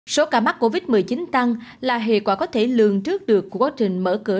số ca mắc covid một mươi chín tăng là hệ quả có thể lường trước được của quá trình mở cửa